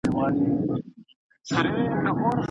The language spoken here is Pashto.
د اردو روغتونونه څه ډول دي؟